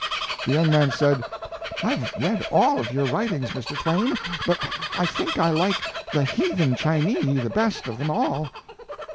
The young man said: " I ve read ail of your writings, Mr. Twain, but I think I like The Heathen Chinee the best of them all."